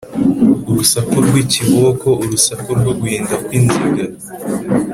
Urusaku rw’ikiboko urusaku rwo guhinda kw’inziga